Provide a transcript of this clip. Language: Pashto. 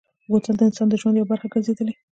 بوتل د انسان د ژوند یوه برخه ګرځېدلې.